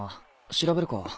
調べるか。